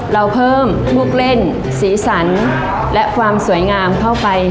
เราเพิ่มลูกเล่นสีสันและความสวยงามเข้าไป